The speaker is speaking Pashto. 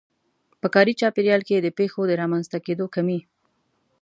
په کاري چاپېريال کې د پېښو د رامنځته کېدو کمی.